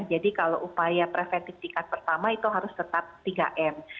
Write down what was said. jadi kalau upaya preventif tingkat pertama itu harus tetap tiga m